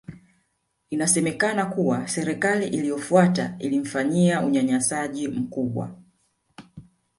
Inasemekana kuwa Serikali iliyofuata ilimfanyia unyanyasaji mkubwa